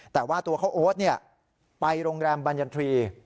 แต่ว่าตัวเขาโอ๊ตไปโรงแรมบัญญัตรี